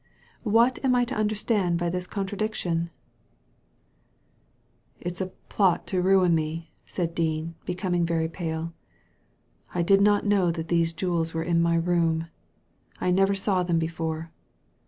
What am I to understand by this con tradiction ?" '^It's a plot to ruin me/' said Dean, becoming very pale. " I did not know that these jewels were in my room. I never saw them before.